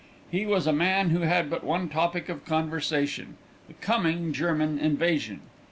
He was a man who had but one topic of conversation the coming German invasion.